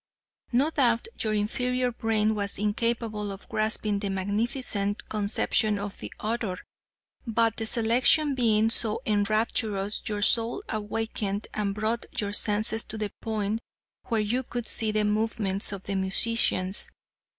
No doubt your inferior brain was incapable of grasping the magnificent conception of the author, but the selection being so enrapturous your soul awakened and brought your senses to the point where you could see the movements of the musicians.